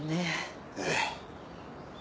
ええ。